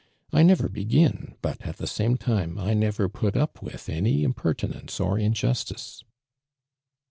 I never liegin. but. at the same time, I never \nit u[) with any impertinence or injustice